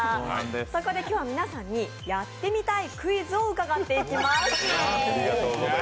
そこで今日は皆さんにやってみたいクイズを伺っていきます。